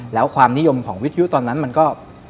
แล้วความนิยมของวิทยุตอนนั้นมันก็